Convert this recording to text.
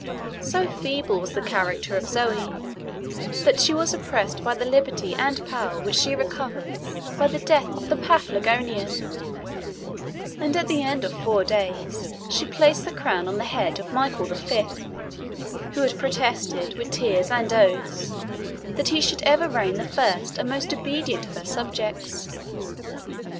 So feeble was the character of Zoe, that she was oppressed by the liberty and power which she recovered by the death of the Paphlagonian; and at the end of four days, she placed the crown on the head of Michael the Fifth, who had protested, with tears and oaths, that he should ever reign the first and most obedient of her subjects.